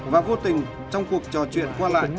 và vô tình trong cuộc trò chuyện qua lại